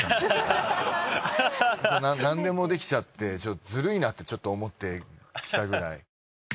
なんでもできちゃってずるいなってちょっと思ってきたくらい。